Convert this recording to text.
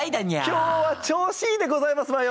今日は調子いいでございますわよ。